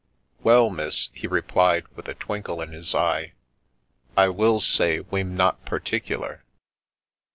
Well, miss," he replied, with a twinkle in his eye, I will say we'm not particular